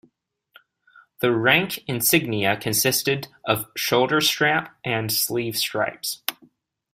The rank insignia consisted of shoulder strap and sleeve stripes.